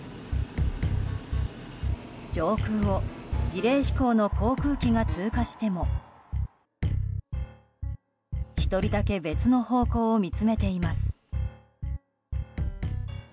上空を儀礼飛行の航空が通過しても１人だけ別の方向を見つめています。